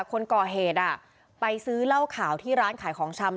คนก่อเหตุไปซื้อเหล้าขาวที่ร้านขายของชำ